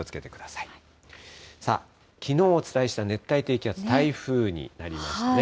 さあ、きのうお伝えした熱帯低気圧、台風になりましたね。